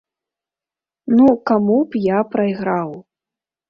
Ну, каму б я прайграў?